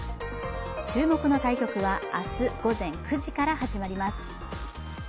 注目の対局は明日午前９時から始まります。